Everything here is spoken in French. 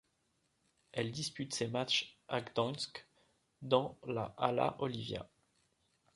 Elle dispute ses matchs à Gdańsk, dans la Hala Olivia.